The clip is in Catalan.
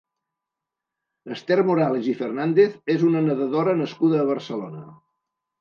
Esther Morales i Fernández és una nedadora nascuda a Barcelona.